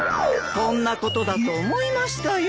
こんなことだと思いましたよ。